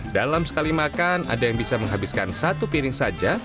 dalam sekali makan ada yang bisa menghabiskan satu piring saja